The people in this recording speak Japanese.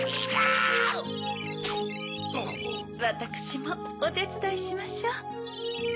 わたくしもおてつだいしましょう。